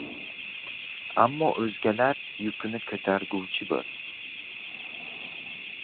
ammo o‘zgalar yukini ko‘targuvchi bo‘l.